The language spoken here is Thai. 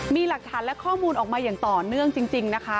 มีหลักฐานและข้อมูลออกมาอย่างต่อเนื่องจริงนะคะ